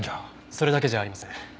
それだけじゃありません。